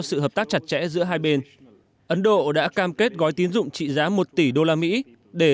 sự hợp tác chặt chẽ giữa hai bên ấn độ đã cam kết gói tiến dụng trị giá một tỷ đô la mỹ để